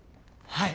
はい！